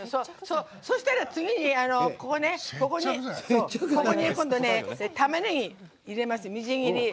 そしたら次に、ここに今度ねたまねぎ入れます、みじん切り。